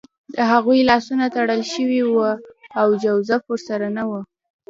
د هغوی لاسونه تړل شوي وو او جوزف ورسره نه و